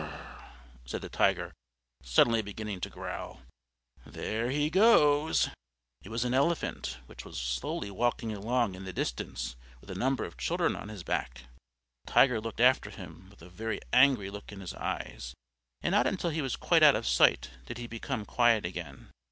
"Gr r r !" said the Tiger, suddenly beginning to growl. "There he goes!" It was an Elephant, which was slowly walking along in the distance with a number of children on his back. The Tiger looked after him with a very angry look in his eyes, and not until he was quite out of sight did he become quiet again.